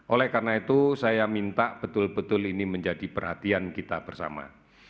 oleh karena itu saya minta betul betul ini menjadi perhatian kita bersama